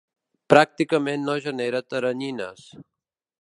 Pràcticament no genera teranyines.